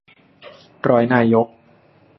ร้อยนายก